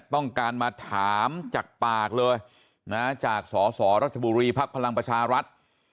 ต้องการมาถามจากปากเลยนะจากสสรัชบุรีภักดิ์พลังประชารัฐ